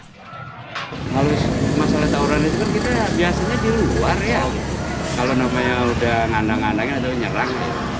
kalau masalah tawuran itu kan kita biasanya di luar ya kalau namanya udah ngandang ngandangin atau nyerang